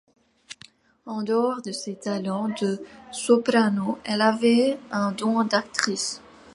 En dehors de ses talents de soprano, elle avait un don d'actrice.